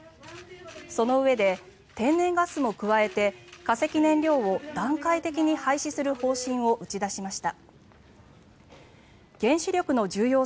そのうえで、天然ガスも加えて化石燃料を段階的に廃止する方針を打ち出しました。